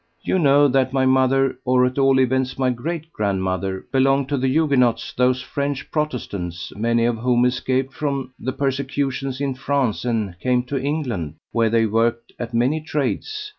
"You know that my mother, or at all events my great grandmother, belonged to the Huguenots, those French Protestants, many of whom escaped from the persecutions in France and came to England, where they worked at many trades.